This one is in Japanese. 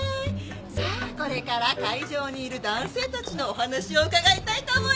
さあこれから会場にいる男性たちのお話を伺いたいと思います！